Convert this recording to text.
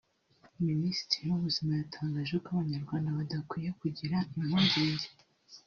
Minisiteri y’Ubuzima yatangaje ko Abanyarwanda badakwiye kugira impungenge